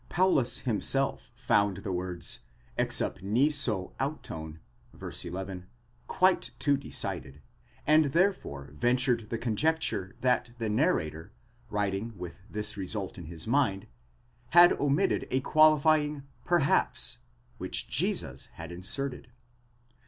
Paulus himself found the words ἐξυπνίσω αὐτὸν (v. 11) quite too decided, and therefore ventured the conjecture that the narrator, writing with the result in his mind, had omitted a qualifying perhaps, which Jesus had inserted.